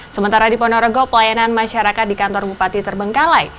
sementara di ponorogo pelayanan masyarakat di kantor bupati terbengkalai